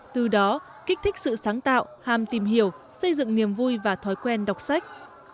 từ đó kích thích sự sáng tạo hàm tìm hiểu xây dựng niềm vui và thói quen đọc sách